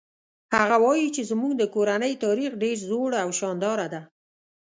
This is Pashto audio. هغه وایي چې زموږ د کورنۍ تاریخ ډېر زوړ او شانداره ده